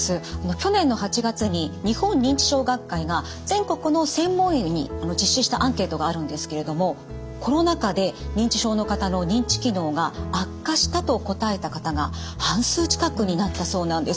去年の８月に日本認知症学会が全国の専門医に実施したアンケートがあるんですけれどもコロナ禍で認知症の方の認知機能が悪化したと答えた方が半数近くになったそうなんです。